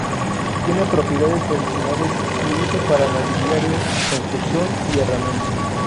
Tiene propiedades medicinales y uso para mobiliario, construcción y herramientas.